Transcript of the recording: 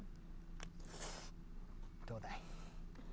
どうだい？